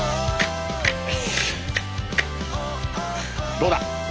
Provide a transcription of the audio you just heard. どうだ？